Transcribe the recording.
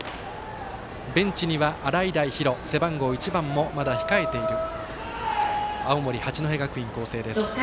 ベンチには洗平比呂、背番号１番もまだ控えている青森、八戸学院光星です。